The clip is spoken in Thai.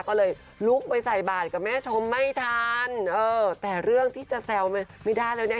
ก็เลยลุกไปใส่บาทกับแม่ชมไม่ทันเออแต่เรื่องที่จะแซวไม่ได้แล้วเนี่ย